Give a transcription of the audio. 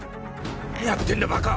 何やってんだバカ！